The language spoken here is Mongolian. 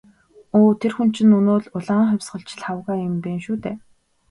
Өө тэр хүн чинь өнөө л «улаан хувьсгалч» Лхагва юм байна шүү дээ.